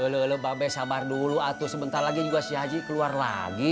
lo babay sabar dulu atau sebentar lagi si haji keluar lagi